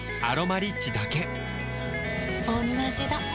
「アロマリッチ」だけおんなじだ